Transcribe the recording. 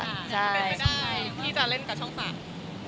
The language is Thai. เป็นไปได้ที่จะเล่นกับช่องสาม